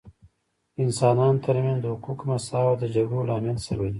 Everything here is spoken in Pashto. د انسانانو ترمنځ د حقوقو مساوات د جګړو لامل سوی دی